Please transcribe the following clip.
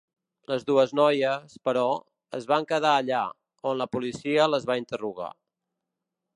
Les dues noies, però, es van quedar allà, on la policia les va interrogar.